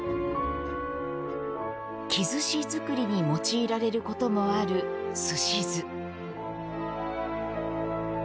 きずし作りに用いられることもある、すし酢。